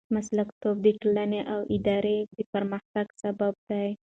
مسلکیتوب د ټولنې او ادارې د پرمختګ سبب دی.